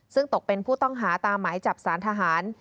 ซึ่งตกเป็นผู้ต้องหาตามหมายจับสารทหาร